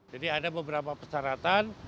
jadi ada beberapa persyaratan